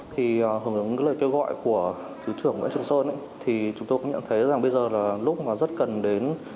thì hưởng ứng cái lời kêu gọi của thứ trưởng nguyễn trường sơn thì chúng tôi cũng nhận thấy rằng bây giờ là lúc mà rất cần đến